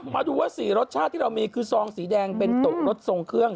มาดูว่า๔รสชาติที่เรามีคือซองสีแดงเป็นโต๊ะรสทรงเครื่อง